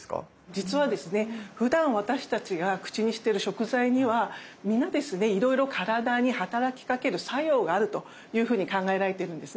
実はですねふだん私たちが口にしてる食材には皆ですねいろいろ体にはたらきかける作用があるというふうに考えられてるんですね。